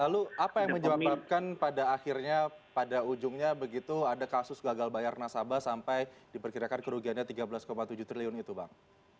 lalu apa yang menyebabkan pada akhirnya pada ujungnya begitu ada kasus gagal bayar nasabah sampai diperkirakan kerugiannya tiga belas tujuh triliun itu bang